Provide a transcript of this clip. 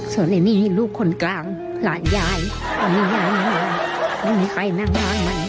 ส่วนในนี้ลูกคนกลางหลานยายไม่มีใครนั่งมางมัน